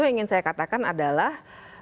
yang ingin saya katakan adalah